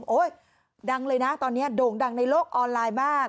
ดังเลยนะตอนนี้โด่งดังในโลกออนไลน์มาก